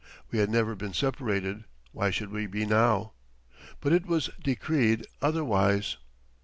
We had never been separated; why should we be now? But it was decreed otherwise.